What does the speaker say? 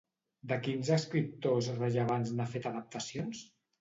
De quins escriptors rellevants n'ha fet adaptacions?